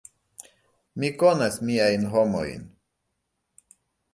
Mi konas miajn homojn.